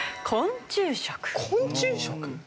昆虫食？